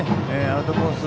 アウトコース